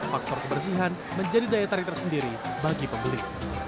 faktor kebersihan menjadi daya tarik tersendiri bagi pembeli